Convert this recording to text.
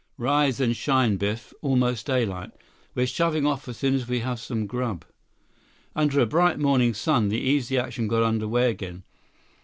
"Rise and shine, Biff. Almost daylight. We're shoving off as soon as we have some grub." Under a bright morning sun, the Easy Action got under way again.